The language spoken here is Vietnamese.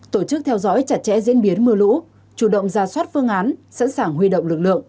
tổ chức theo dõi chặt chẽ diễn biến mưa lũ chủ động ra soát phương án sẵn sàng huy động lực lượng